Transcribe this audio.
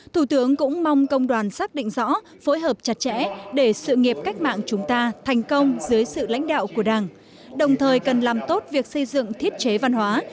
thủ tướng cũng mong công đoàn xác định rõ phối hợp chặt chẽ để sự nghiệp cách mạng chúng ta thành công dưới sự lãnh đạo của đảng đồng thời cần làm tốt việc xây dựng thiết chế văn hóa